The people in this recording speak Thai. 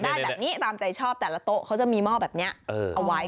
ได้แบบนี้ตามใจชอบแต่ละโต๊ะเขาจะมีหม้อแบบนี้เอาไว้